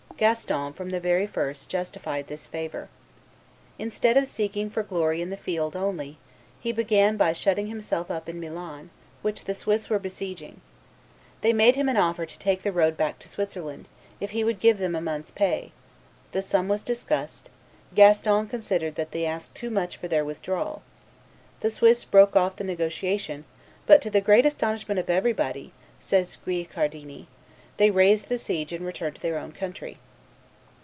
Gaston, from the very first, justified this favor. Instead of seeking for glory in the field only, he began by shutting himself up in Milan, which the Swiss were besieging. They made him an offer to take the road back to Switzerland, if he would give them a month's pay; the sum was discussed; Gaston considered that they asked too much for their withdrawal; the Swiss broke off the negotiation; but "to the great astonishment of everybody," says Guicciardini, "they raised the siege and returned to their own country."